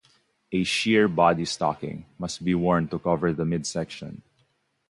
A sheer body stocking must be worn to cover the midsection.